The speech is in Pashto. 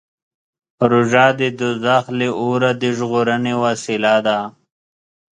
روژه د دوزخ له اوره د ژغورنې وسیله ده.